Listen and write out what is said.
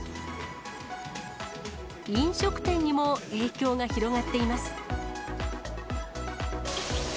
飲食店にも影響が広がっています。